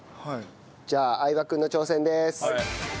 じゃあ相葉君の挑戦です。